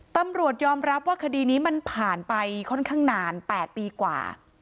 ตำรวจยอมรับว่าคดีนี้มันผ่านไปค่อนข้างนาน๘ปีกว่า